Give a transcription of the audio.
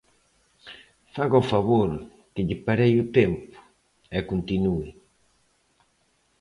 Faga o favor, que lle parei o tempo, e continúe.